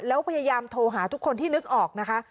แล้วพยายามโทรหาทุกคนที่นึกออกนะคะ